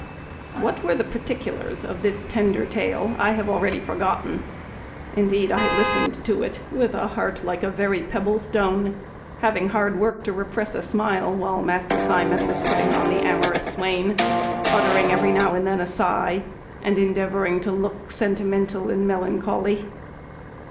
What were the particulars of this tender tale I have already forgotten; indeed I listened to it with a heart like a very pebble stone, having hard work to repress a smile while Master Simon was putting on the amorous swain, uttering every now and then a sigh, and endeavouring to look sentimental and melancholy.